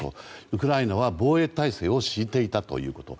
ウクライナは防衛体制を敷いていたということ。